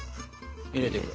入れていく？